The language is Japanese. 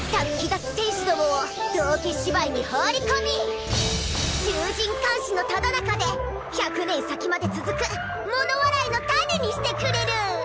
だつ戦士どもを道化芝居に放り込み衆人環視のただ中で１００年先まで続く物笑いの種にしてくれる！